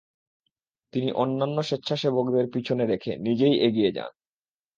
তিনি অন্যান্য স্বেচ্ছাসেবকদের পিছনে রেখে নিজেই এগিয়ে যান।